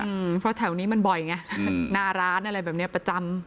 อืมเพราะแถวนี้มันบ่อยไงหน้าร้านอะไรแบบเนี้ยประจำ